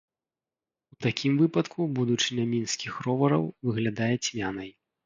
У такім выпадку будучыня мінскіх ровараў выглядае цьмянай.